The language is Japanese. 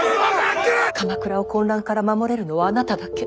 鎌倉を混乱から守れるのはあなただけ。